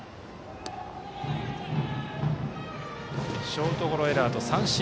ショートゴロエラーと三振。